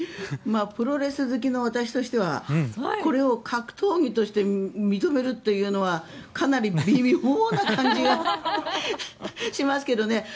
プロレス好きの私としてはこれを格闘技として認めるというのはかなり微妙な感じがしますけどね。